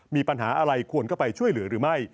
มีปัญหาอะไรควรเข้าไปช่วยเหลือหรือไม่